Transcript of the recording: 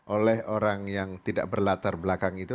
oleh orang yang tidak berlatar belakang itu